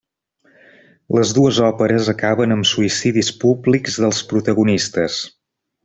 Les dues òperes acaben amb suïcidis públics dels protagonistes.